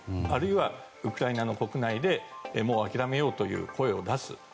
あるいはウクライナの国内でもう諦めようという声を出す。